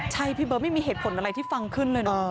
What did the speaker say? ใช่พี่เบิร์ตไม่มีเหตุผลอะไรที่ฟังขึ้นเลยนะ